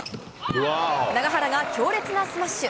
永原が強烈なスマッシュ。